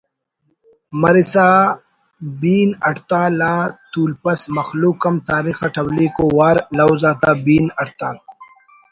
مرسا بین ہڑتال آ تولپس مخلوق ہم تاریخ اٹ اولیکو وار لوز آتا بین ہڑتال